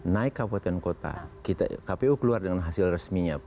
naik kabupaten kota kpu keluar dengan hasil resminya